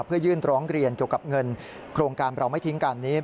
เพื่อยื่นร้องเรียนเกี่ยวกับเงินโครงการเราไม่ทิ้งกันนี้